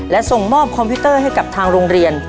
และส่งมอบคอมพิวเตอร์ให้กับทางโรงเรียน